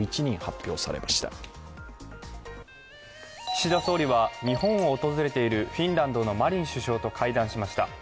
岸田総理は日本を訪れているフィンランドのマリン首相と会談しました。